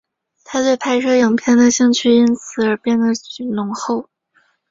他对拍摄影片的兴趣因此而变得浓厚。